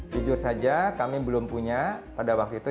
jujur saja kami belum punya pada waktu itu